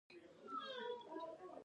جهانګیر د اکبر زوی و.